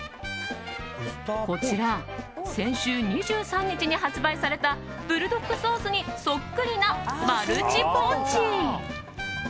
こちら先週２３日に発売されたブルドックソースにそっくりなマルチポーチ。